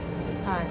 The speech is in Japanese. はい。